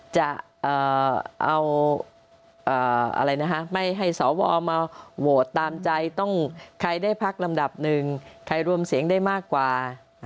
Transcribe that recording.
จะเอาไม่ให้สวมาโหวตตามใจต้องใครได้พักลำดับหนึ่งใครรวมเสียงได้มากกว่า